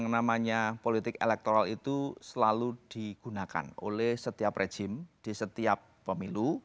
yang namanya politik elektoral itu selalu digunakan oleh setiap rejim di setiap pemilu